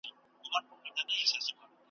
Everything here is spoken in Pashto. ټوله ژوي یو د بل په ځان بلا وه `